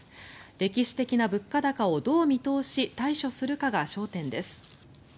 歴史的な物価高をどう見通し対処するかが焦点です。